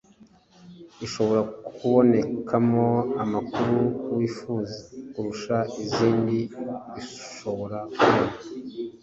Ishobora kubonekamo amakuru wifuza kurusha izindi bishobora kuba